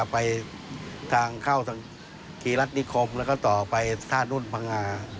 ไปทางเข้าขีลักษณิคมและก็ต่อไปท่านุ่นภังงา